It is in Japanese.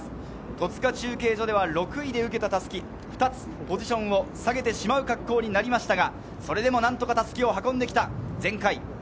戸塚中継所では６位で受けた襷２つポジションを下げてしまう格好になりましたが、なんとか襷を運んできた。